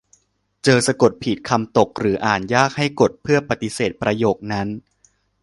เจอสะกดผิด คำตก หรืออ่านยากเกิน ให้กด เพื่อปฏิเสธประโยคนั้น